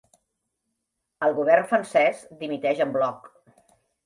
El govern francès dimiteix en bloc.